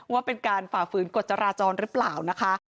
ว่าเป็นการฝ่าฝืนกฎจราจรหรือเปล่านะคะ